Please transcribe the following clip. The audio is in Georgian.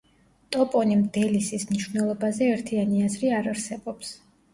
ტოპონიმ „დელისის“ მნიშვნელობაზე ერთიანი აზრი არ არსებობს.